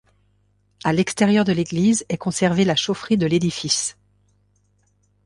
À l'extérieur de l'église est conservée la chaufferie de l'édifice.